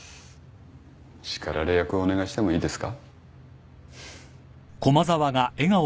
叱られ役お願いしてもいいですか？